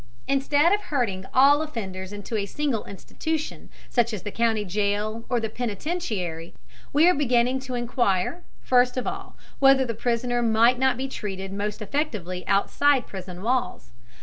Instead of herding all offenders into a single institution such as the county jail or the penitentiary, we are beginning to inquire, first of all, whether the prisoner might not be treated most effectively outside prison walls.